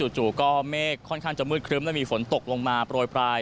จู่ก็เมฆค่อนข้างจะมืดครึ้มและมีฝนตกลงมาโปรยปลาย